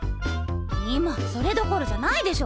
今それどころじゃないでしょ！